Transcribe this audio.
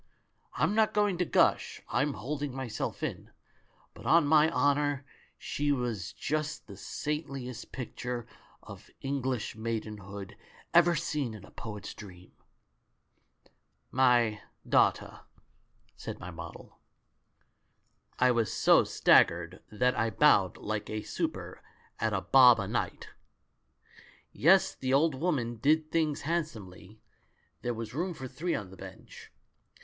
I'm not going to gush — I'm holding myself in — but on my honour she was just the saintliest picture of English maidenhood ever seen in a poet's dream !" 'My daughter,' said my model. "I was so staggered that I bowed like a super at a bob a night. "Yes, the old woman did things handsomely — A VERY GOOD THING FOR THE GIRL 27 there was room for three on the bench.